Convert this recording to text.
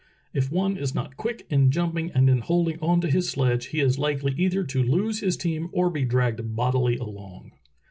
If one is not quick in jumping and in holding on to his sledge, he is likel}' either to lose his team or be dragged bodily along.